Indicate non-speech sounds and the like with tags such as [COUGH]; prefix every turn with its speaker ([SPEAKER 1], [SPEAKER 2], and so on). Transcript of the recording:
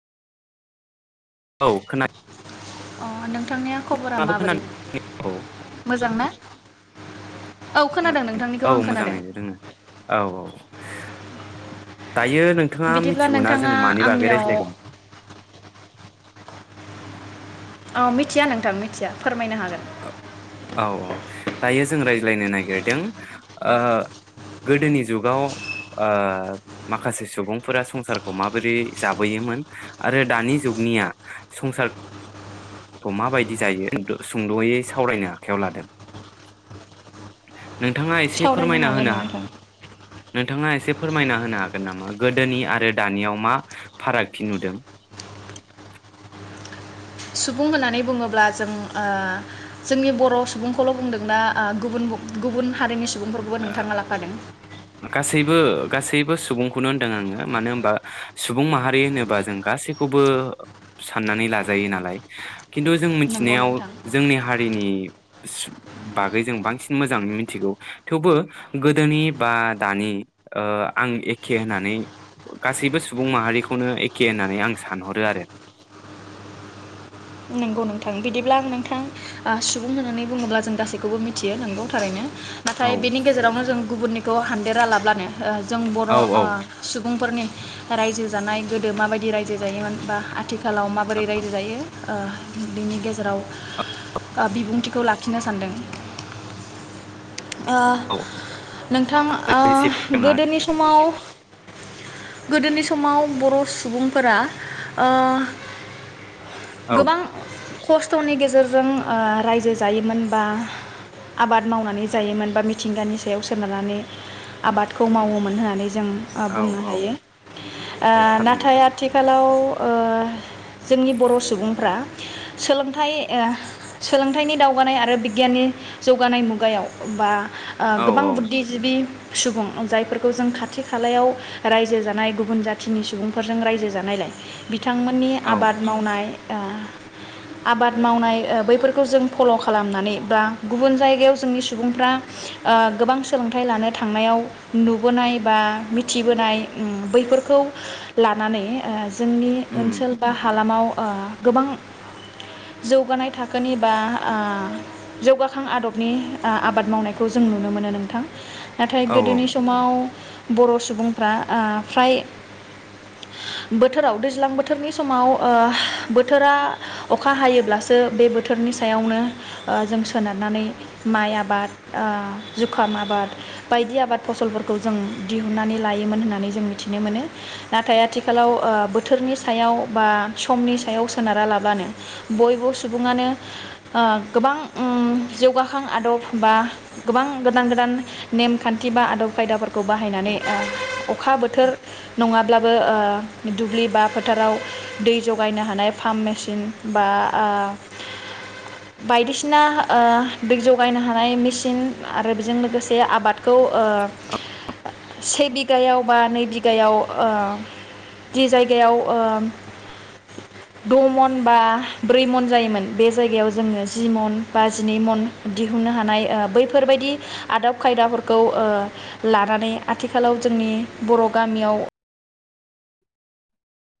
[SPEAKER 1] औ खोना
[SPEAKER 2] अ नों थांनिया खबरा माबोरै
[SPEAKER 1] औ
[SPEAKER 2] मोजां ना? औ खोनादों
[SPEAKER 1] [UNINTELLIGIBLE]
[SPEAKER 2] नोंथांनिखौ
[SPEAKER 1] औ
[SPEAKER 2] आं खोनादों
[SPEAKER 1] मोजाङैनो दोङो औ औ औ [INAUDIBLE] दायो नोंथाङा
[SPEAKER 2] बिदिब्ला
[SPEAKER 1] मिथिगौना जों
[SPEAKER 2] नोंथाङा
[SPEAKER 1] मानि बागै
[SPEAKER 2] आंनियाव
[SPEAKER 1] रायज्लायगोन?
[SPEAKER 2] औ मिथिया नोंथां मिथिया फोरमायनो हाग
[SPEAKER 1] ओ औ औ दायोज जों रायज्लायनो नागिरदों ओ गोदोनि जुगाव ओ माखासे सुबुंफोरा संसारखौ माबोरै जाबोयोमोन आरो दानि जुगनिया संसार खौ माबायदि जायो द सुंद'यै सावरायनो आखायाव लादों। नोंथाङा इसे
[SPEAKER 2] सावरायनो
[SPEAKER 1] फोरमायना
[SPEAKER 2] हागोन
[SPEAKER 1] होनो हा
[SPEAKER 2] नोंथां
[SPEAKER 1] नोंथाङा इसे फोरमायना होनो हागोन नामा गोदोनि आरो दानियाव मा फारागथि नुदों?
[SPEAKER 2] सुबुं होननानै बुङोब्ला जों ओ जोंनि बर' सुबुंखौल' बुंदोंना आ गुबुन बु गुबुन हारिनि सुबुंफोरखौबो नोंथाङा लाफादों
[SPEAKER 1] गासैबो गासैबो सुबुंखौनो होनदों आङो मानो होनबा सुबुं माहारि होनोबा जों गासैखौबो साननानै लाजायो नालाय। किन्थु जों
[SPEAKER 2] नंगौ
[SPEAKER 1] मिथिनायाव
[SPEAKER 2] नोंथां
[SPEAKER 1] जोंनि हारिनि सु बागै जों बांसिन मोजाङैनो मिथिगौ। थेवबो गोदोनि बा दानि ओ आं एखे होननानै गासैबो सुबुं माहारिखौनो एखे होननानै आं सानहरो आरो
[SPEAKER 2] नोंगौ नोंथां बिदिब्लां नोंथां ओ सुबुं होननानै बुङोब्ला जों गासैखौबो मिथियो नोंगौ थारैनो
[SPEAKER 1] औ
[SPEAKER 2] नाथाय बेनि गेजेरावनो जों गुबुननि खौ हानद्रेरा लाब्लानो ओ जों बर'
[SPEAKER 1] औ औ
[SPEAKER 2] ओ सुब बुंफोरनि राज्यो जानाय गोदो माबायदि राज्यो जायोमोन बा आथिख खालाव माबोरै राज्यो जायो? ओ बिनि गेजेराव ओ बिबुंथिखौ लाखिनो सानदों। ओ नोंथां ओ गोदोनि समाव गोदोनि समाव बर' सुबुंफोरा ओ गोबां खस्थनि गेजेरजों ओ राज्यो जायोमोन बा आबाद मावनानै जायोमोन बा मिथिंगानि सायाव सोनारनानै आबादखौ मावोमोन होननानै जों ओ
[SPEAKER 1] औ
[SPEAKER 2] बुंनो
[SPEAKER 1] औ
[SPEAKER 2] हायो ओ
[SPEAKER 1] औ थारैनो
[SPEAKER 2] नाथाय आथिखालाव ओ जोंनि बर' सुबुं सोलोंथाइ ओ सोलोंथाइनि दावगानाय आरो बिगियाननि जौगानाय मुगायाव बा ओ
[SPEAKER 1] औ
[SPEAKER 2] गोबां
[SPEAKER 1] औ
[SPEAKER 2] बुद्धिजिबि सुबुं जायफोरखौ जों खाथि खालायाव राज्यो जानाय गुबुन जाथिनि सुबुंफोरजों राज्यो जानायलाय बिथांमोननि
[SPEAKER 1] औ
[SPEAKER 2] आबाद मावनाय ओ आबाद मावनाय ओ बैफोरखौ जों फल खालामनानै बा गुबुन जायगायाव जोंनि सुबुंफ्रा ओ गोबां सोलोंथाइ लानो थांनायाव नुबोनाय बा मिथिबोनाय उम बैफोरखौ लानानै ओ जोंनि
[SPEAKER 1] उम
[SPEAKER 2] ओनसोल बा हालामाव [UNINTELLIGIBLE] गोबां जौगानाय थाखोनि बा ओ जौगाखां आदबनि ओ आबाद मावनायखौ जों नुनो मोनो नोंथां नाथाय
[SPEAKER 1] औ औ
[SPEAKER 2] गोदोनि समाव बर सुबुंफ्रा ओ फ्राय बोथोराव दैज्लां बोथोरनि समाव ओ बोथोरा अखा हायोब्लासो बे बोथोरनि सायावनो ओ जों सोनारनानै माइ आबाद ओ जुखाम आबाद बायदि आबाद फसलफोरखौ जों दिहुन्नानै लायोमोन होननानै जों मिथिनो मोनो नाथाय आथिखालाव ओ बोथोरनि सायाव बा समनि सायाव सोनारा लाबानो बयबो सुबुङानो ओ गोबां ओम जौगाखां आदब बा गोबां गोदान गोदान नेमखान्थि बा आदब खायदाफोरखौ बाहायनानै ओ अखा बोथोर नङाब्लाबो ओ दुब्लि बा फोथाराव दै जगायनो हायो हानाय फाम्फ मेसिन बा ओ बायदिसिना ओ दै जगायनो हानाय मेसिन आरो बेजों लोगोसे आबादखौ ओ से बिघायाव बा नै बिघायाव जि जायगायाव ओ द मन बा ब्रै मन जायोमोन बे जायगायाव जोङो जि मन बा जिनै मन दिहुननो हानाय ओ बैफोरबायदि आदब खायदाफोरखौ ओ लानानै आथिखालाव जोंनि बर गामियाव